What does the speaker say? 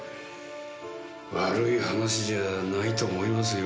悪い話じゃないと思いますよ。